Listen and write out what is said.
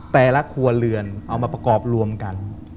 แต่ละครัวเรือนเอามาประกอบรวมกัน